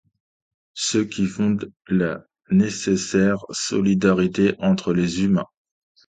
Ce qui fonde la nécessaire solidarité entre les humains.